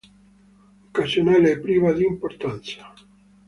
Occasionale e priva di importanza.